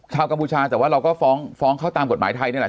กัมพูชาแต่ว่าเราก็ฟ้องเขาตามกฎหมายไทยนี่แหละ